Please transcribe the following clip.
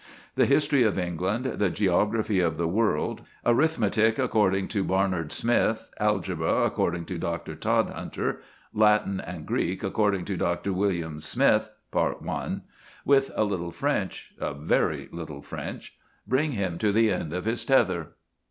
The history of England, the geography of the world, arithmetic according to Barnard Smith, algebra according to Dr. Todhunter, Latin and Greek according to Dr. William Smith (Part I.), with a little French, a very little French, bring him to the end of his tether.